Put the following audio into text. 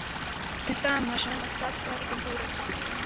Тытан нашага мастацтва і культуры.